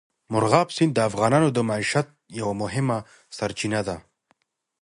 مورغاب سیند د افغانانو د معیشت یوه مهمه سرچینه ده.